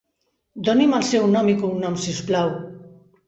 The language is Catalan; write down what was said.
Doni'm el seu nom i cognoms si us plau.